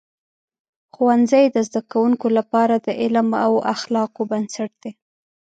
ښوونځي د زده کوونکو لپاره د علم او اخلاقو بنسټ دی.